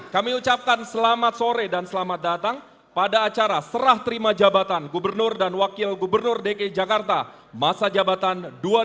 kami ucapkan selamat sore dan selamat datang pada acara serah terima jabatan gubernur dan wakil gubernur dki jakarta masa jabatan dua ribu dua puluh